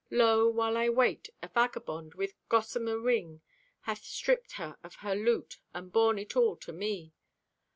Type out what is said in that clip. Lo, while I wait, a vagabond with goss'mer wing Hath stripped her of her loot and borne it all to me.